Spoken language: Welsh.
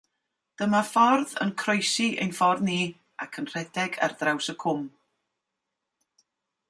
Dyma ffordd yn croesi ein ffordd ni, ac yn rhedeg ar draws y cwm.